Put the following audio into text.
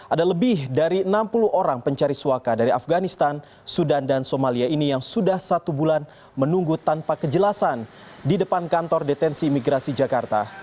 ada lebih dari enam puluh orang pencari suaka dari afganistan sudan dan somalia ini yang sudah satu bulan menunggu tanpa kejelasan di depan kantor detensi imigrasi jakarta